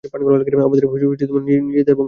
আমার নিজের বংশধর।